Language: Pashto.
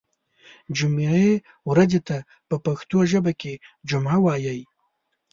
جمعې ورځې ته په پښتو ژبه کې جمعه وایی